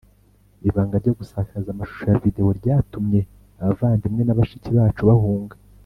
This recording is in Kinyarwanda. ibanga ryo gusakaza amashusho ya videwo ryatumye abavandimwe na bashiki bacu bahunga